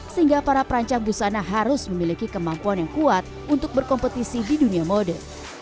sehingga para perancang busana harus memiliki kemampuan yang kuat untuk berkompetisi di dunia mode